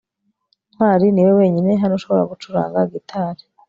ntwali niwe wenyine hano ushobora gucuranga gitari